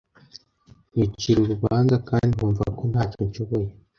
nkicira urubanza kandi nkumva ko nta cyo nshoboye